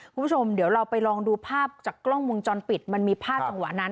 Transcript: คุณผู้ชมเดี๋ยวเราไปลองดูภาพจากกล้องวงจรปิดมันมีภาพจังหวะนั้น